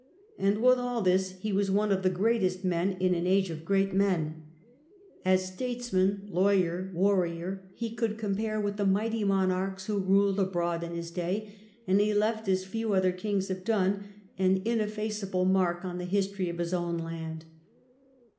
And with all this, he was one of the greatest men in an age of great men. As statesman, lawyer, warrior, he could compare with the mighty monarchs who ruled abroad in his day, and he left, as few other kings have done, an ineffaceable mark on the history of his own land.